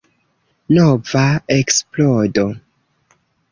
Nova eksplodo.